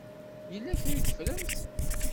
Yella kra i teffremt.